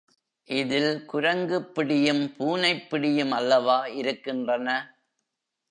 இதில் குரங்குப் பிடியும் பூனைப்பிடியும் அல்லவா இருக்கின்றன.